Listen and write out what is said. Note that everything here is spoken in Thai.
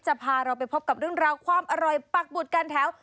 พาเราไปพบกับเรื่องราวความอร่อยปักบุตรกันแถว